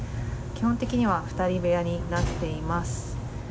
基本的には２人部屋になっています。